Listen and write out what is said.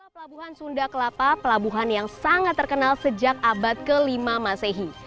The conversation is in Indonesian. pelabuhan sunda kelapa pelabuhan yang sangat terkenal sejak abad kelima masehi